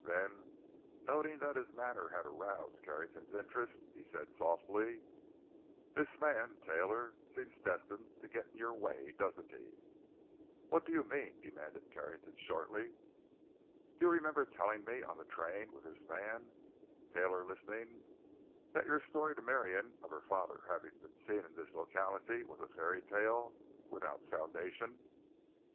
Then, noting that his manner had aroused Carrington's interest, he said softly: "This man, Taylor, seems destined to get in your way, doesn't he?" "What do you mean?" demanded Carrington shortly. "Do you remember telling me—on the train, with this man, Taylor, listening—that your story to Marion, of her father having been seen in this locality, was a fairy tale—without foundation?"